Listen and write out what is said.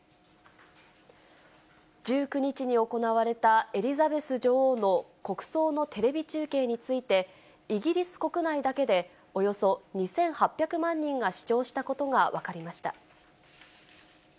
１９日に行われたエリザベス女王の国葬のテレビ中継について、イギリス国内だけでおよそ２８００万人が視聴したことが分かりました。